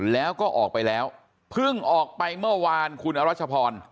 แล้วก็ออกไปแล้วเพิ่งออกไปเมื่อวานคุณอรัชพร